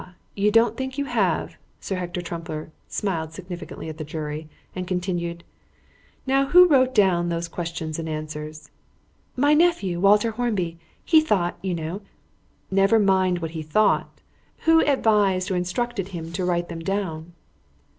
you don't think you have." Sir Hector Trumpler smiled significantly at the jury, and continued "Now who wrote down those questions and answers?" "My nephew, Walter Hornby. He thought, you know " "Never mind what he thought. Who advised or instructed him to write them down?"